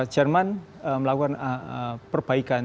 jerman melakukan perbaikan